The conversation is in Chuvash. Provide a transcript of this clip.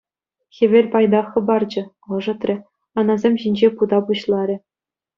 Хӗвел пайтах хӑпарчӗ, ӑшӑтрӗ, анасем ҫинче пута пуҫларӗ.